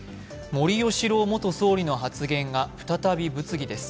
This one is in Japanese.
森喜朗元総理の発言が再び物議です。